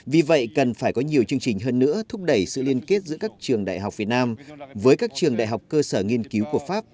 vì vậy cần phải có nhiều chương trình hơn nữa thúc đẩy sự liên kết giữa các trường đại học việt nam với các trường đại học cơ sở nghiên cứu của pháp